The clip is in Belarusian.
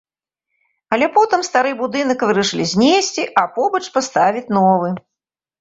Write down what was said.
Але потым стары будынак вырашылі знесці, а побач паставіць новы.